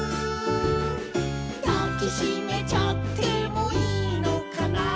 「だきしめちゃってもいいのかな」